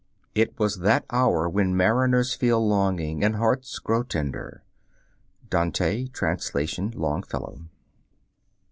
"It was that hour when mariners feel longing, And hearts grow tender." (Dante, trans. Longfellow.)